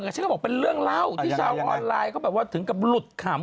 ฉันก็บอกเป็นเรื่องเล่าที่ชาวออนไลน์เขาแบบว่าถึงกับหลุดขำ